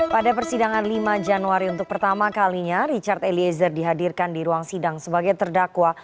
pada persidangan lima januari untuk pertama kalinya richard eliezer dihadirkan di ruang sidang sebagai terdakwa